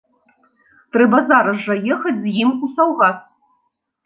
Трэба зараз жа ехаць з ім у саўгас.